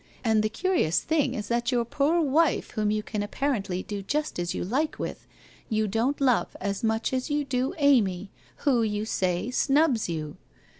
And the curious thing is that your poor wife whom you can apparently do just as you like with, you don't love, as much as you do Amy, who, you say, snubs you!